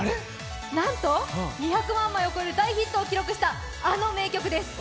なんと、２００万枚を超える大ヒットを記録したあの名曲です。